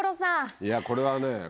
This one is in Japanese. いやこれはね。